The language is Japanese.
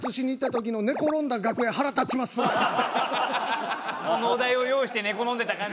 このお題を用意して寝転んでた感じ？